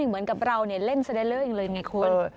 เหมือนกับเราเล่นสไลด์เลอร์อย่างไรไงคุณ